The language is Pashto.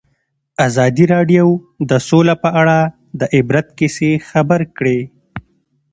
ازادي راډیو د سوله په اړه د عبرت کیسې خبر کړي.